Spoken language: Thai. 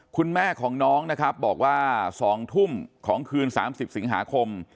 คุณแม่ของน้องนะครับบอกว่า๒ทุ่มของคืน๓๐สิงหาคม